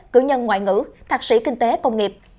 cử nhân ngoại ngữ thạc sĩ kinh tế công nghiệp